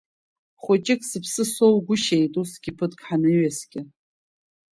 Хәыҷык сыԥсы соугәышьеит усгьы ԥыҭк ҳаныҩаскьа!